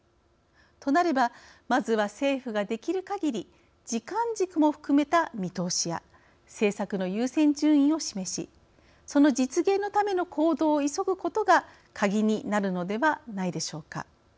となればまずは、政府ができるかぎり時間軸も含めた見通しや政策の優先順位を示しその実現のための行動を急ぐことがカギになるのではないでしょうか。